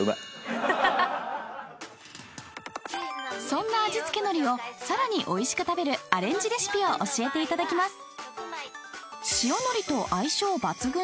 ［そんな味付けのりをさらにおいしく食べるアレンジレシピを教えていただきます］